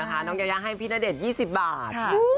น้องยายาให้พี่ณเดชน์๒๐บาท